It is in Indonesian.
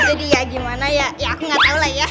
jadi ya gimana ya ya aku nggak tahu lah ya